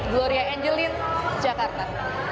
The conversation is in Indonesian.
gloria angelin jakarta